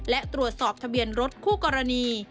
และตรวจสอบทะเบียนรถคู่กรณี